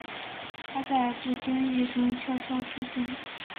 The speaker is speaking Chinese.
你在不经意中悄悄出现